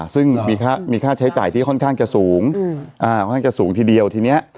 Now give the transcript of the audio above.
ซึ่งมีค่าใช้จ่ายที่ค่อนข้างจะสูงทีเดียวทีนี้